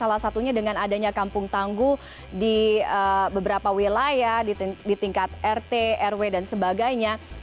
salah satunya dengan adanya kampung tangguh di beberapa wilayah di tingkat rt rw dan sebagainya